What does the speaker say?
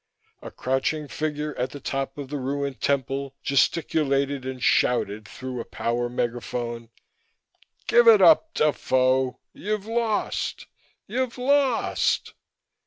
A crouching figure at the top of the ruined temple gesticulated and shouted through a power megaphone: "Give it up, Defoe! You've lost, you've lost!"